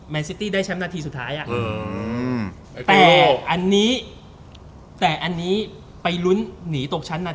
ซิตี้ได้แชมป์นาทีสุดท้ายแต่อันนี้แต่อันนี้ไปลุ้นหนีตกชั้นนาที